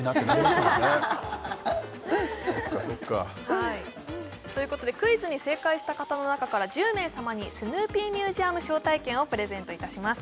そっかそっかということでクイズに正解した方の中から１０名様にスヌーピーミュージアム招待券をプレゼントいたします